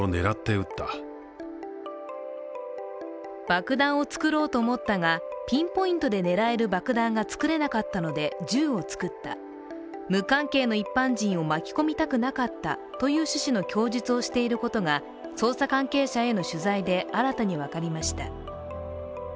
爆弾を作ろうと思ったがピンポイントで狙える爆弾が作れなかったので銃を作った、無関係の一般人を巻き込みたくなかったという趣旨の供述をしていることが捜査関係者への取材で新たに分かりました。